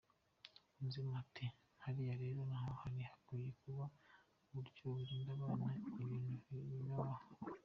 Yunzemo ati “Hariya rero naho hari hakwiye kuba uburyo twarinda abana ibintu bibaroga.